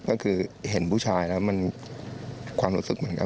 ก็คือเห็นผู้ชายแล้วมันความรู้สึกเหมือนกัน